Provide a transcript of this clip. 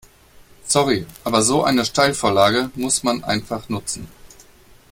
Sorry, aber so eine Steilvorlage muss man einfach nutzen.